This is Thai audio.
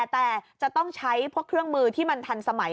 แต่จะต้องใช้พวกเครื่องมือที่มันทันสมัย